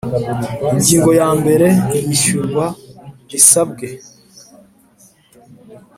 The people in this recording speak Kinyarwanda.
Ingingo ya mbere Iyishyurwa risabwe